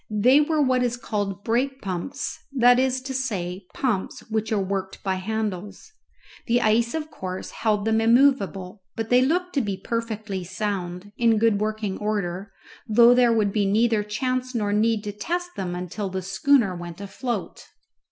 They were what is called brake pumps that is to say, pumps which are worked by handles. The ice, of course, held them immovable, but they looked to be perfectly sound, in good working order, though there would be neither chance nor need to test them until the schooner went afloat.